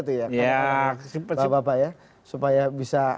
bapak bapak ya supaya bisa